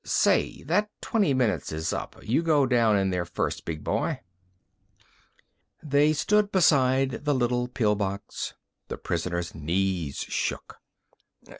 "Say, that twenty minutes is up. You go down in there first, big boy." They stood beside the little pill box. The prisoner's knees shook.